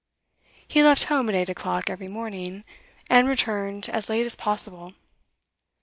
He left home at eight o'clock every morning, and returned as late as possible.